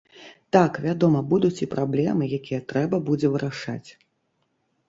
Так, вядома, будуць і праблемы, якія трэба будзе вырашаць.